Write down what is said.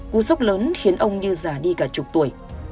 cú sốc lớn khiến ông như giả đi cả chục tuổi